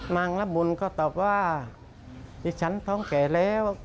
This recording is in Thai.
นางละมุนก็ตอบว่าดิฉันท้องแก่แล้ว